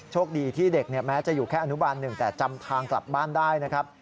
โชคดีที่เด็กแม้จะอยู่แค่อนุบาลหนึ่งแต่จำทางกลับบ้านได้นะครับ